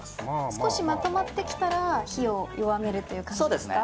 少しまとまってきたら火を弱める感じですか？